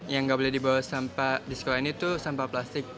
yang nggak boleh dibawa sampah di sekolah ini tuh sampah plastik